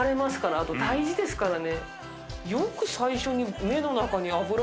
あと、大事ですからね。